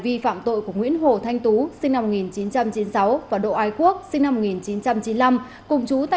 vi phạm tội của nguyễn hồ thanh tú và độ ái quốc cùng trú tại